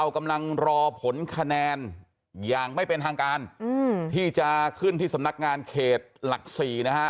ขนแค้นที่จะขึ้นที่สำนักงานเขตหลักสี่นะฮะ